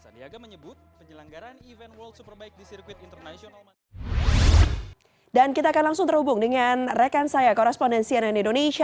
dan kita akan langsung terhubung dengan rekan saya korespondensi ann indonesia